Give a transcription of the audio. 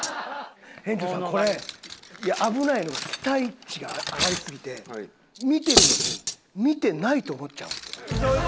園長さんこれ危ないのが期待値が上がりすぎて見てるのに見てないと思っちゃうんですよ。